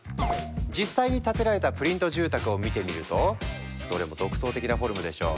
実際に建てられたプリント住宅を見てみるとどれも独創的なフォルムでしょ！